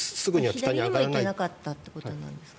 左にも行けなかったということなんですか。